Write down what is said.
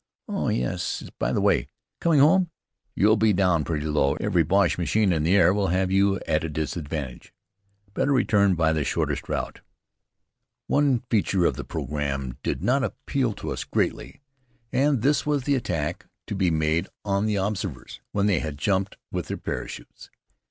Oh, yes, by the way, coming home, you'll be down pretty low. Every Boche machine in the air will have you at a disadvantage. Better return by the shortest route." One feature of the programme did not appeal to us greatly, and this was the attack to be made on the observers when they had jumped with their parachutes.